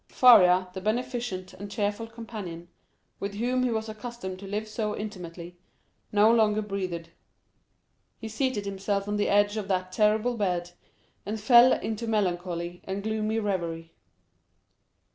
Faria, the beneficent and cheerful companion, with whom he was accustomed to live so intimately, no longer breathed. He seated himself on the edge of that terrible bed, and fell into melancholy and gloomy reverie.